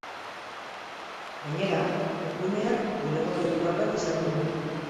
Gainera, webguneak bulego birtual bat izango du.